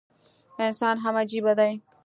انسان هم عجيبه دی